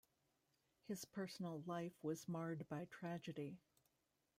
His personal life was marred by tragedy.